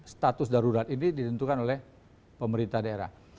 status darurat ini ditentukan oleh pemerintah daerah